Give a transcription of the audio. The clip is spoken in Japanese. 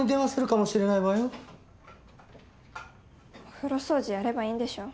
お風呂掃除やればいいんでしょ。